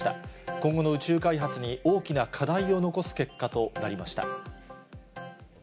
今後の宇宙開発に大きな課題を残す結果となりました。